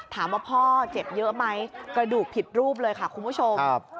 ถามว่าพ่อเจ็บเยอะไหมกระดูกผิดรูปเลยค่ะคุณผู้ชม